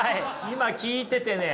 今聞いててね